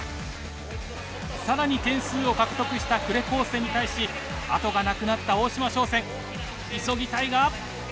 更に点数を獲得した呉高専に対し後がなくなった大島商船急ぎたいが。